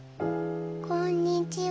こんにちは。